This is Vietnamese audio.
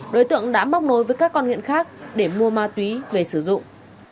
đối tượng đã móc nối với các con nghiện khác để mua ma túy về sử dụng